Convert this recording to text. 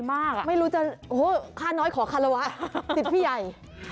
ไม่รู้จนโฮค่าน้อยขอคารวะติดพี่ใหญ่